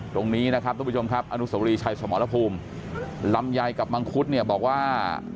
ตรงนี้นะครับทุกผู้ชมครับอนุสวรีชัยสมรภูมิลำไยกับมังคุดเนี่ยบอกว่า